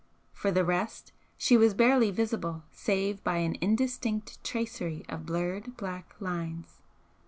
For the rest, she was barely visible save by an indistinct tracery of blurred black lines.